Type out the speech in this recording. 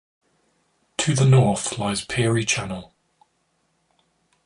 To the north lies Peary Channel.